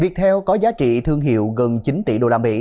viettel có giá trị thương hiệu gần chín tỷ usd